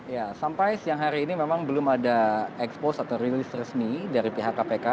ya sampai siang hari ini memang belum ada expose atau rilis resmi dari pihak kpk